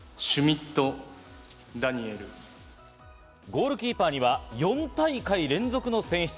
ゴールキーパーには４大会連続の選出。